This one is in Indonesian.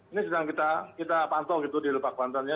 ini sedang kita pantul gitu di lupak bantennya